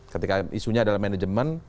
ketika isunya adalah manajemen